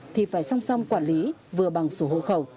thì phải song song quản lý vừa bằng sổ hộ khẩu